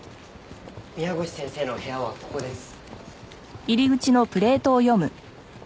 宮越先生の部屋はここです。